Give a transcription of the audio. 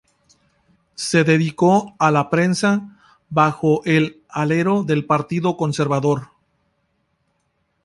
Se dedicó a la prensa, bajo el alero del Partido Conservador.